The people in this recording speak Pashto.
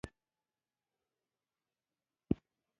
تر هر څه لومړی خپل شخصي ارزښتونه وپېژنئ.